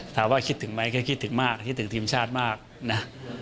ถามว่าคิดถึงไหมแค่คิดถึงมากคิดถึงทีมชาติมากนะ